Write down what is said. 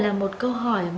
bây giờ là một câu hỏi